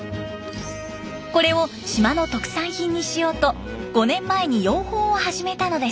これを島の特産品にしようと５年前に養蜂を始めたのです。